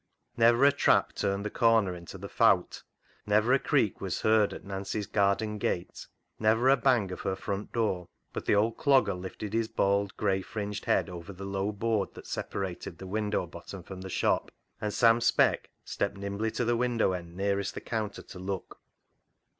Never a trap turned the corner into " the Fowt "; never a creak was heard at Nancy's garden gate ; never a bang of her front door, but the old Clogger lifted his bald, grey fringed head over the low board that separated the window bottom from the shop, and Sam Speck stepped nimbly to the window end nearest the counter to look.